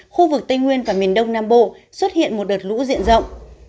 khu vực tây nguyên và miền đông nam bộ xuất hiện một đợt lũ diện rộng